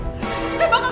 saya mau ke rumah sakit